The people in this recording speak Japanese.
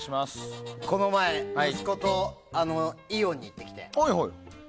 この前、息子とイオンに行ってきて。